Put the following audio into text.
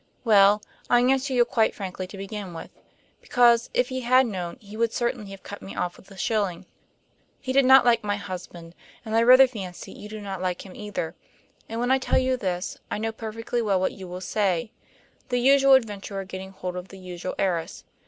Well, I answer you quite frankly to begin with; because, if he had known, he would certainly have cut me off with a shilling. He did not like my husband, and I rather fancy you do not like him either. And when I tell you this, I know perfectly well what you will say the usual adventurer getting hold of the usual heiress.